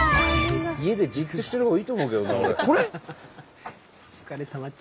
家でじっとしてるほうがいいと思うけどな俺。